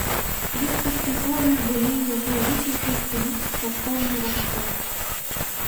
Беспаспяховыя былі і яго высілкі спыніць царкоўны раскол.